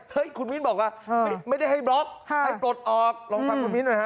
เฮ้ยคุณมิ้นบอกว่าไม่ได้ให้บล็อกให้ปลดออกลองฟังคุณมิ้นหน่อยฮะ